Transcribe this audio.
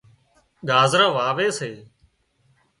ڳازران واوي سي